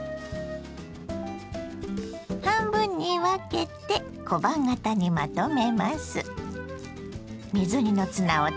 半分に分けて小判形にまとめます。